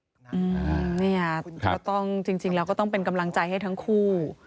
เนี่ยก็ต้องจริงแล้วก็ต้องเป็นกำลังใจให้ทั้งคู่